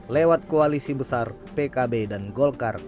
lewat koalisi besar pkb dan golkar